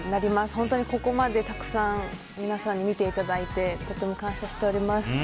本当にここまでたくさん皆さんに見ていただいてとても感謝しております。